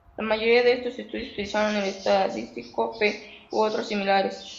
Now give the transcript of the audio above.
La mayoría de estos estudios utilizaron el estadístico F u otros similares.